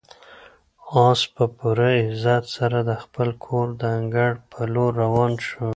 آس په پوره عزت سره د خپل کور د انګړ په لور روان شو.